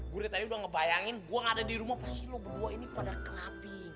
gue tadi ngebayanggin gue gak ada di rumah pasti lo berdua ini pada clubing